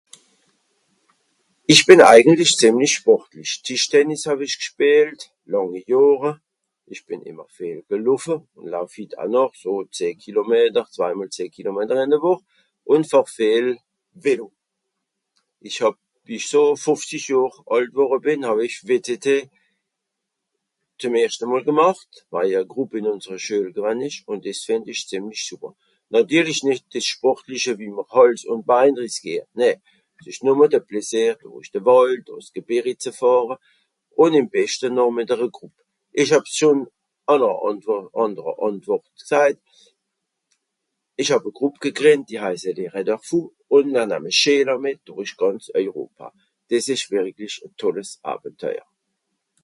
"Ich bin eigentlich zemlich sportlich. Tischtennis hàw ich gspielt, làngi Johre. Ich bin immer viel geloffe un lauf hitt a noch, so zeh Kilometer, zwei mol zeh Kilometer in de Wuch, un fàhr viel Velo. Ich hàb, wie ich so fufzisch Johr àlt worre bin, hàw ich VTT zem erschte Mol gemàcht, weil e Groupe in unsere Schuel gewann isch un diss isch zemlich super. Natierli nitt diss sportliche wie mr Hàls un Bein riskiert, nä, es isch numme de Pläsier durich de Wàld, durich s Geberi ze fàhre, un im beschte noch mit ere Groupe. Ich hàb's schon in, àn ere àndere Antwort gsajt: ich hàb e Groupe gegrüendt, die heisse ""les raideurs fous"" un namm Schueler mit durich gànz Europa. Dis isch wirklich e tolles Abenteuer"